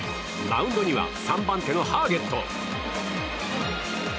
マウンドには３番手のハーゲット。